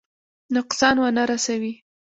نقصان ونه رسوي.